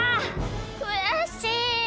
くやしい！